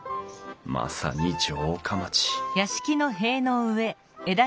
まさに城下町！